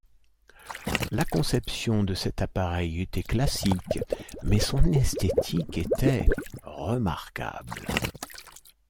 La conception de cet appareil était classique, mais son esthétique était remarquable.